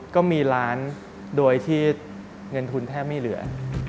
ก็มีล้านโดยที่เงินทุนแทบไม่เหลือ